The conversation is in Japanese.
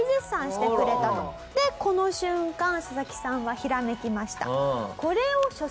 でこの瞬間ササキさんはひらめきました。